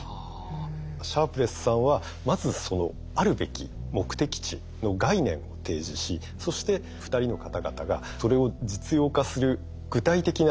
シャープレスさんはまずそのあるべき目的地の概念提示しそして２人の方々がそれを実用化する具体的な手段を見つけ出し